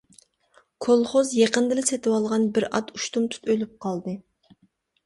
كولخوز يېقىندىلا سېتىۋالغان بىر ئات ئۇشتۇمتۇت ئۆلۈپ قالدى.